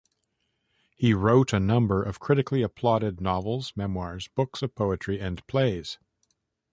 He wrote a number of critically applauded novels, memoirs, books of poetry, and plays.